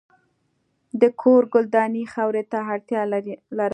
د کور ګلداني خاورې ته اړتیا لرله.